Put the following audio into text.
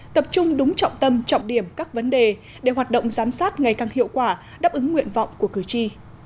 tập trung đúng trọng tâm trọng điểm các vấn đề để hoạt động giám sát ngày càng hiệu quả đáp ứng nguyện vọng của cử tri